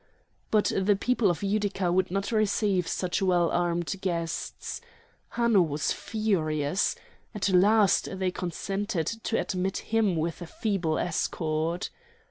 But the people of Utica would not receive such well armed guests. Hanno was furious. At last they consented to admit him with a feeble escort.